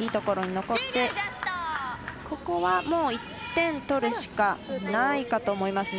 いいところに残ってここは１点取るしかないかと思います。